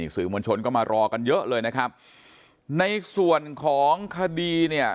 สื่อมวลชนก็มารอกันเยอะเลยนะครับในส่วนของคดีเนี่ย